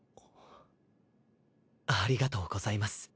ありがとうございます。